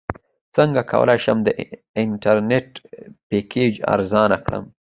څنګه کولی شم د انټرنیټ پیکج ارزانه کړم